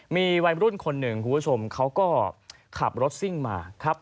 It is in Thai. มีวัยรุ่นคนหนึ่งคุณผู้ชมเขาก็ขับรถซิ่งมาครับ